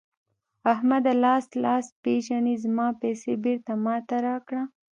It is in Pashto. احمده؛ لاس لاس پېژني ـ زما پيسې بېرته ما ته راکړه.